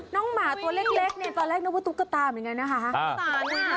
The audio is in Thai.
น้องหมาตัวเล็กตอนแรกนึกว่าตุ๊กตาเหมือนไงนะคะ